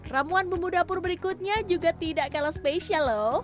ramuan bumbu dapur berikutnya juga tidak kalah spesial loh